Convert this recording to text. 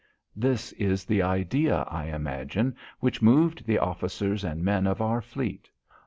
This is the idea, I imagine, which moved the officers and men of our fleet.